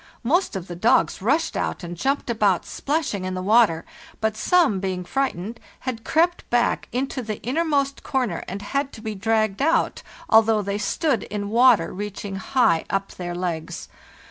Most of the dogs rushed out and jumped about, splashing in the water; but some, being frightened, had crept back into the innermost corner and had to be dragged out, although they stood in water reaching high up their legs.